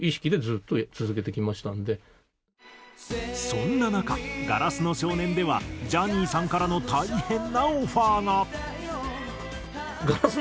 そんな中『硝子の少年』ではジャニーさんからの大変なオファーが！